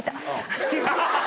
ハハハハ。